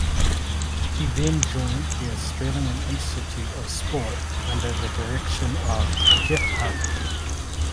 He then joined the Australian Institute of Sport under the direction of Geoff Hunt.